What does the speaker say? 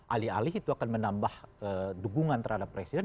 alih alih itu akan menambah dukungan terhadap presiden